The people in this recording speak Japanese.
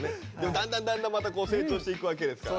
だんだんだんだんまたこう成長していくわけですから。